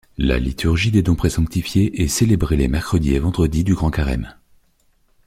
La Liturgie des Dons présanctifiés est célébrée les mercredis et vendredis du Grand Carême.